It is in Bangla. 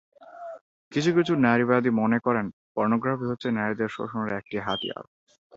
কিছু কিছু নারীবাদী মনে করেন পর্নোগ্রাফি হচ্ছে নারীদের শোষণের একটি হাতিয়ার।